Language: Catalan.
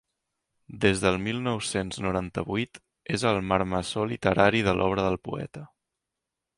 Des del mil nou-cents noranta-vuit és el marmessor literari de l'obra del poeta.